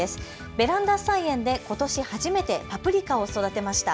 ベランダ菜園でことし初めてパプリカを育てました。